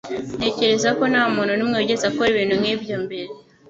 Ntekereza ko ntamuntu numwe wigeze akora ibintu nkibyo mbere.